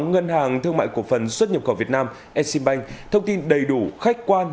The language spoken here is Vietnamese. ngân hàng thương mại cộng phần xuất nhập cổ việt nam exim bank thông tin đầy đủ khách quan